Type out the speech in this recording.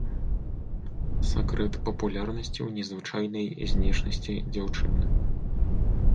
Сакрэт папулярнасці ў незвычайнай знешнасці дзяўчыны.